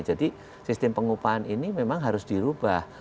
jadi sistem pengupahan ini memang harus dirubah